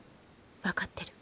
分かってる。